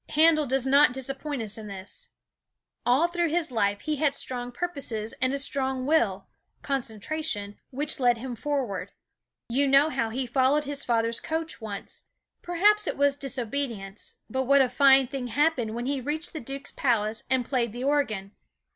Handel does not disappoint us in this. All through his life he had strong purposes and a strong will concentration which led him forward. You know how he followed his father's coach once. Perhaps it was disobedience, but what a fine thing happened when he reached the duke's palace and played the organ.